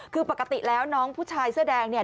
คือปกติแล้วน้องผู้ชายเสื้อแดงเนี่ย